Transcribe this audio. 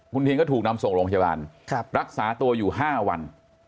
คุณทินก็ถูกนำส่งโรงพยาบาลรักษาตัวอยู่๕วัน